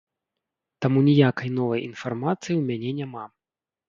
Таму ніякай новай інфармацыі ў мяне няма.